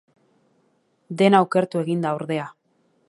Dena okertu egin da, ordea.